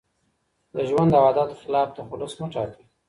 د ژوند او عاداتو خلاف تخلص مه ټاکئ.